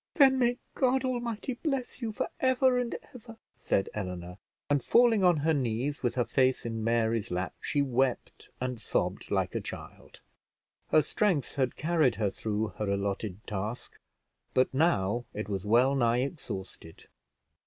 "Then may God Almighty bless you for ever and ever!" said Eleanor; and falling on her knees with her face in Mary's lap, she wept and sobbed like a child: her strength had carried her through her allotted task, but now it was well nigh exhausted.